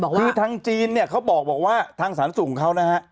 คือทางจีนเนี่ยเขาบอกว่าทางสารสูงเขานะฮะ